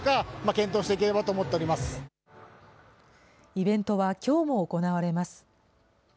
イベントはきょうも行われます。